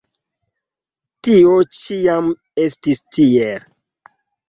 Tio ĉiam estis tiel.